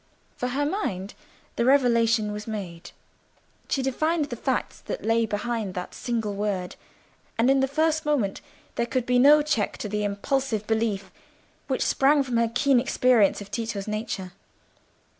For her mind, the revelation was made. She divined the facts that lay behind that single word, and in the first moment there could be no check to the impulsive belief which sprang from her keen experience of Tito's nature.